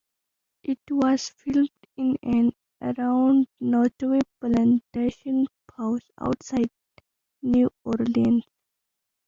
It was filmed in and around Nottoway Plantation house outside New Orleans.